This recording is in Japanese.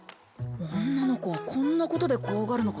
女の子はこんなことで怖がるのか？